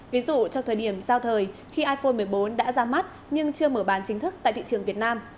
ví dụ trong thời điểm giao thời khi iphone một mươi bốn đã ra mắt nhưng chưa mở bán chính thức tại thị trường việt nam